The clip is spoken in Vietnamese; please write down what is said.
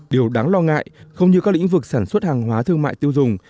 điều đáng lo ngại không như các lĩnh vực sản xuất hàng hóa thương mại tiêu dùng